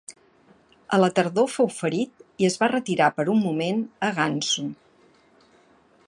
A la tardor fou ferit i es va retirar per un moment a Gansu.